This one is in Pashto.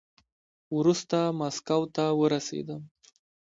وروسته ماسکو ته ورسېدم.